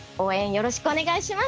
よろしくお願いします！